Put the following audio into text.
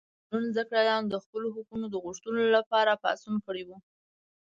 نن زده کړیالانو د خپلو حقونو د غوښتلو لپاره پاڅون کړی و.